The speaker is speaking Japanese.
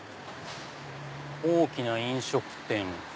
大きな飲食店。